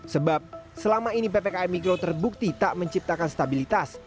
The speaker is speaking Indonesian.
sebab selama ini ppkm mikro terbukti tak menciptakan stabilitas